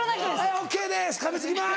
「ＯＫです